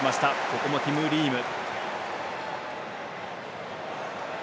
ここもティム・リーム。